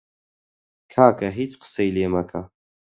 کاکە هیچ قسەی لێ مەکە!